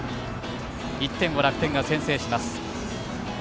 １点を楽天が先制します。